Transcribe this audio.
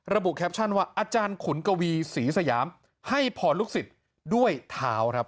ระบุแคปชั่นว่าอาจารย์ขุนกวีศรีสยามให้พรลูกศิษย์ด้วยเท้าครับ